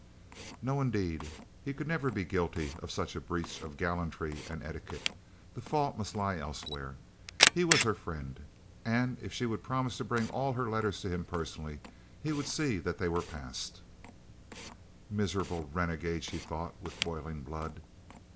No, indeed, he could never be guilty of such a breach of gallantry and etiquette, the fault must lie elsewhere; he was her friend, and if she would promise to bring all her letters to him personally, he would see that they were passed. "Miserable Renegade!" she thought, with boiling blood.